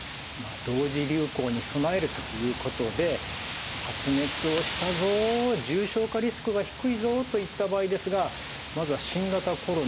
同時流行に備えるということで発熱をしたぞ重症化リスクが低いぞといった場合ですがまずは新型コロナの自己検査を行うとこういうことですね。